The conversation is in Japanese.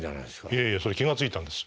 いえいえそれ気が付いたんです。